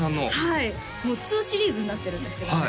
はいもう２シリーズになってるんですけどあれ